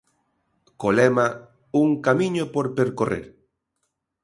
Co lema: Un camiño por percorrer.